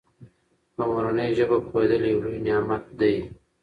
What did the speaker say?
په مورنۍ ژبه پوهېدل یو لوی نعمت دی.